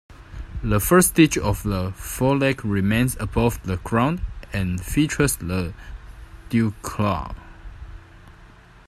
The first digit of the foreleg remains above the ground and features the dewclaw.